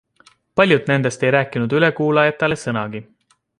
Paljud nendest ei rääkinud ülekuulajatele sõnagi.